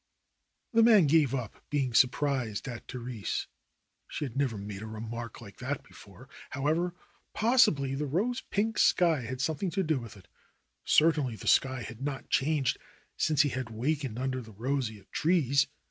The man gave up being surprised at Therese. She had never made a remark like that before. However, possibly the rose pink sky had something to do with it. Certainly the sky had not changed since he had wakened under the roseate trees.